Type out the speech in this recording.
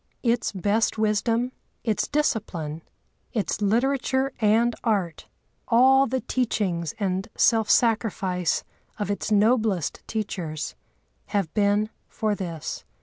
Its best wisdom, its discipline, its literature and art, all the teachings and self sacrifice of its noblest teachers, have been for this.